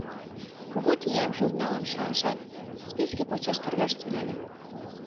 Кугу тияк журналым шарышат, списке почеш тергаш тӱҥале.